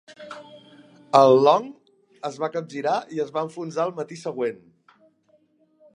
EL "Long" es va capgirar i es va enfonsar al matí següent.